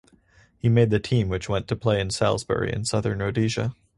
He made the team which went to play in Salisbury in Southern Rhodesia.